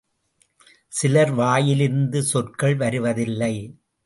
சிலர் வாயிலிருந்து சொற்கள் வருவதில்லை.